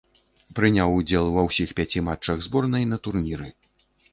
Прыняў удзел ва ўсіх пяці матчах зборнай на турніры.